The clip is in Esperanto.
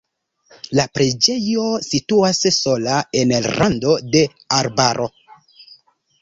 La preĝejo situas sola en rando de arbaro.